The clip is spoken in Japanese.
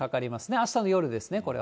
あしたの夜ですね、これは。